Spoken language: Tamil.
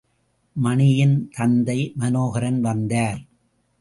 மணியின் தந்தை மனோகரன் வந்தார்.